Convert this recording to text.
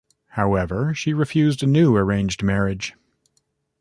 However she refused a new arranged marriage.